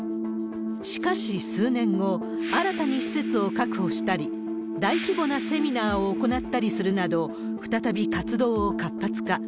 しかし数年後、新たに施設を確保したり、大規模なセミナーを行ったりするなど、再び活動を活発化。